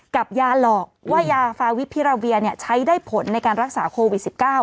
กับยาหลอกว่ายาฟาวิพิราเวียใช้ได้ผลในการรักษาโควิด๑๙